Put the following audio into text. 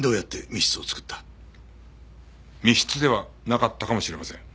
密室ではなかったかもしれません。